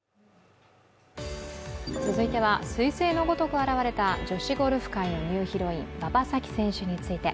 続いては、すい星のごとく現れた女子ゴルフ界のニューヒロイン、馬場咲希選手について。